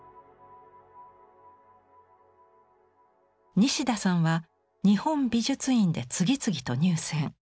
西田さんは日本美術院で次々と入選。